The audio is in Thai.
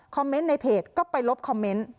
เมนต์ในเพจก็ไปลบคอมเมนต์